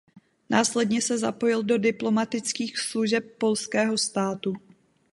Následně se zapojil do diplomatických služeb polského státu.